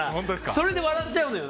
それで笑っちゃうのよ。